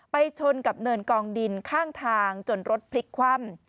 ชนกับเนินกองดินข้างทางจนรถพลิกคว่ำ